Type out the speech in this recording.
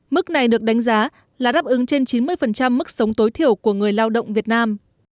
mức này được đánh giá là đáp ứng trên chín mươi mức sống tối thiểu của người lao động việt nam